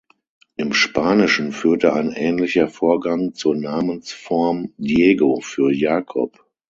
Im Spanischen führte ein ähnlicher Vorgang zur Namensform Diego für Jakob.